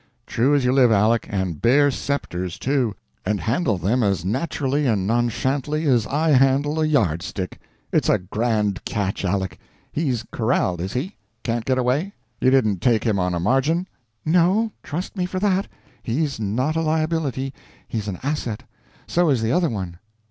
"True as you live, Aleck and bear scepters, too; and handle them as naturally and nonchantly as I handle a yardstick. It's a grand catch, Aleck. He's corralled, is he? Can't get away? You didn't take him on a margin?" "No. Trust me for that. He's not a liability, he's an asset. So is the other one."